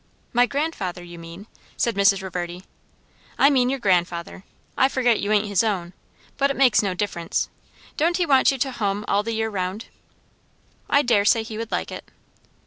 "My grandfather, you mean?" said Mrs. Reverdy, "I mean your grandfather. I forget you ain't his own; but it makes no difference. Don't he want you to hum all the year round?" "I daresay he would like it."